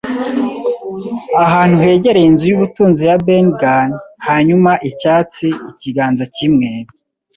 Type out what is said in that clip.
ahantu hegereye inzu y'ubutunzi ya Ben Gunn; hanyuma Icyatsi, ikiganza kimwe,